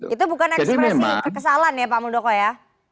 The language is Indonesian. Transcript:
itu bukan ekspresi kekesalan ya pak muldoko ya